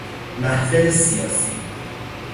محفل سیاسی